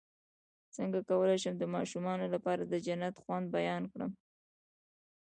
څنګه کولی شم د ماشومانو لپاره د جنت د خوند بیان کړم